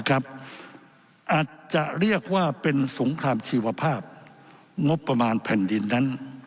อาจจะเรียกว่าเป็นสงครามชีวภาพงบประมาณแผ่นดินนั้น